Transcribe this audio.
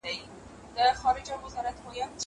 هغه څوک چي اوبه پاکوي روغ وي!!